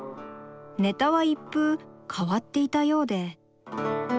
ネタは一風変わっていたようで。